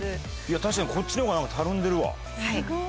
確かにこっちのほうがたるんでるわ。